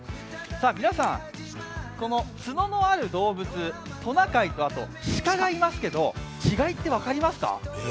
皆さん、角ある動物、トナカイと鹿がいますけど、違いって分かりますか？